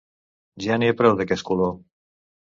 Ja n'hi ha prou d'aquest color!